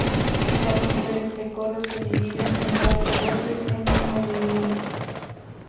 Las mujeres del coro se dividen en cuatro voces, en un movimiento.